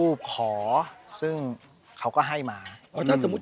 ชื่องนี้ชื่องนี้ชื่องนี้ชื่องนี้ชื่องนี้ชื่องนี้